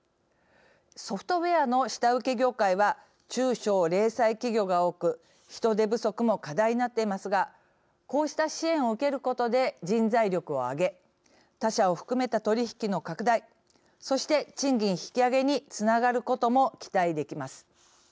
ソフトウエアの下請け業界は中小零細企業が多く人手不足も課題になっていますがこうした支援を受けることで人材力を上げ他社を含めた取り引きの拡大そして賃金引き上げにつながることも期待できます。